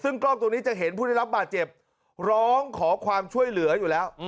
ซึ่งกล้องตรงนี้จะเห็นผู้ได้รับบาดเจ็บร้องขอความช่วยเหลืออยู่แล้ว